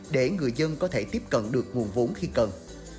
để người dân có thể tiếp cận được nguồn vốn khi cần